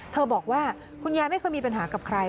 บอกว่าคุณยายไม่เคยมีปัญหากับใคร